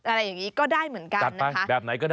อะไรอย่างนี้ก็ได้เหมือนกันนะคะ